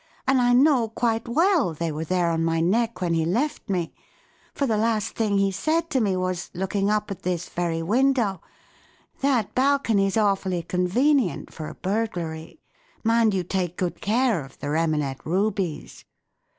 " And I know quite well they were there on my neck when he left me, for the last thing he said to me was, looking up at this very window: ' That balcony's awfully convenient for a burglary. Mind you take good care of the Remanet rubies.